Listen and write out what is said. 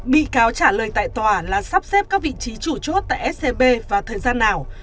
bị cáo trả lời tại tòa là sắp xếp các vị trí chủ chốt tại scb vào thời gian nào